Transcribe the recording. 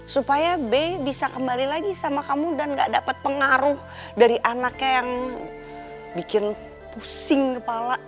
supaya b bisa kembali lagi sama kamu dan gak dapat pengaruh dari anaknya yang bikin pusing kepala